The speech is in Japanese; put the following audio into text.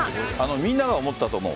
みんなが思ったと思う。